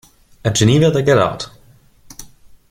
At Geneva they get out.